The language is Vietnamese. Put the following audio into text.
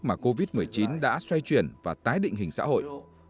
mà covid một mươi chín đã xoay chuyển và tái định hình xã hội